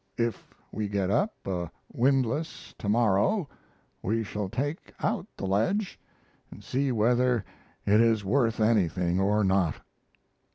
If we get up a windlass to morrow we shall take out the ledge, and see whether it is worth anything or not.